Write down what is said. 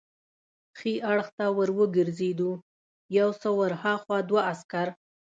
ښي اړخ ته ور وګرځېدو، یو څه ور هاخوا دوه عسکر.